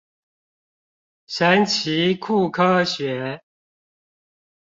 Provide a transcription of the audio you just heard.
神奇酷科學